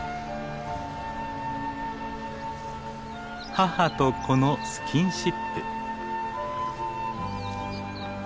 母と子のスキンシップ。